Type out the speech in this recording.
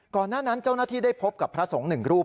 หน้านั้นเจ้าหน้าที่ได้พบกับพระสงฆ์หนึ่งรูป